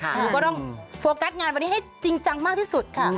หนูก็ต้องโฟกัสงานวันนี้ให้จริงจังมากที่สุดค่ะ